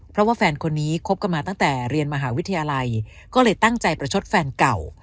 เพราะว่าแฟนคนนี้คบกันมาตั้งแต่เรียนมหาวิทยาลัยก็เลยตั้งใจประชดแฟนเก่า